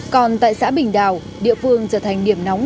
còn tại xã bình đào địa phương trở thành điểm nóng